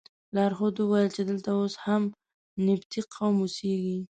لارښود وویل چې دلته اوس هم نبطي قوم اوسي.